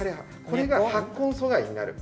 これが発根阻害になる。